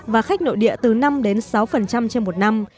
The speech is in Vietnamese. và khách nội địa từ năm đến sáu trên một năm